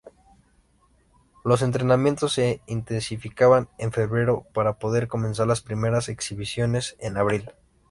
Los entrenamientos se intensifican en febrero para poder comenzar las primeras exhibiciones en abril.